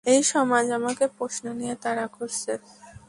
এই সমাজ আমাকে প্রশ্ন নিয়ে তাড়া করছে।